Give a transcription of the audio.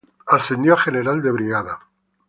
Ascendió a general de brigada.